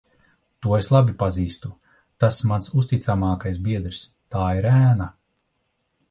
To es labi pazīstu. Tas mans uzticamākais biedrs. Tā ir ēna.